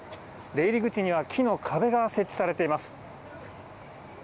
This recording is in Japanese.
出入り口には木の壁が設置されています。